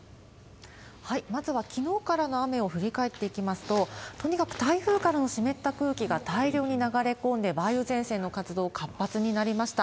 まずは、きのうからの雨を振り返っていきますと、とにかく台風からの湿った空気が大量に流れ込んで、梅雨前線の活動、活発になりました。